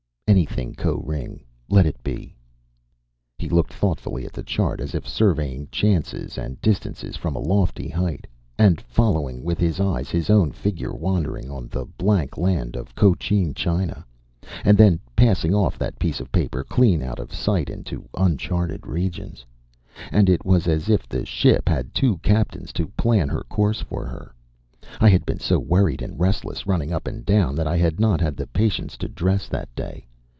"Anything. Koh ring let it be." He looked thoughtfully at the chart as if surveying chances and distances from a lofty height and following with his eyes his own figure wandering on the blank land of Cochin China, and then passing off that piece of paper clean out of sight into uncharted regions. And it was as if the ship had two captains to plan her course for her. I had been so worried and restless running up and down that I had not had the patience to dress that day.